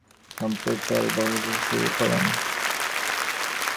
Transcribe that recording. তিনি প্রাচীনকালের গবেষণার সম্প্রসারণ বলগ্নাতে শুরু করেন।